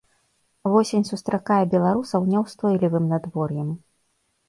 Восень сустракае беларусаў няўстойлівым надвор'ем.